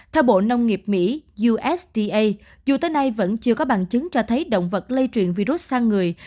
theo bộ nông nghiệp mỹ usca dù tới nay vẫn chưa có bằng chứng cho thấy động vật lây truyền virus sang người